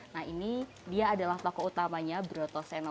nah ini dia adalah tokoh utamanya broto seno